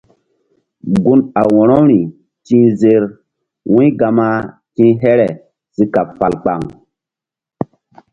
Gun a wo̧rori ti̧h zer wu̧y Gama ti̧h here si kaɓ fal kpaŋ.